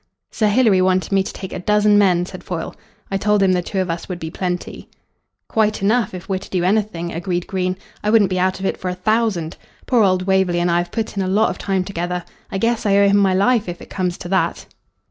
"Sir Hilary wanted me to take a dozen men," said Foyle. "I told him the two of us would be plenty." "Quite enough, if we're to do anything," agreed Green. "I wouldn't be out of it for a thousand. Poor old Waverley and I have put in a lot of time together. I guess I owe him my life, if it comes to that."